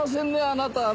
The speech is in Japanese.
あなたは。